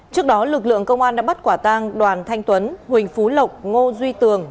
trước đó lực lượng công an đã bắt quả tang đoàn thanh tuấn huỳnh phú lộc ngô duy tường